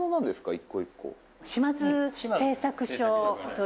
一個一個」